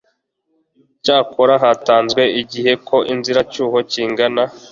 Icyakora hatanzwe igihe k inzibacyuho kingana